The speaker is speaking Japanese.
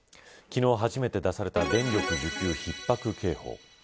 昨日初めて出された電力需給ひっ迫警報。